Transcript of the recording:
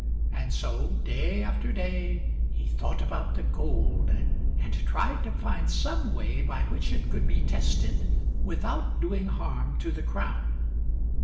And so, day after day, he thought about the gold and tried to find some way by which it could be tested without doing harm to the crown.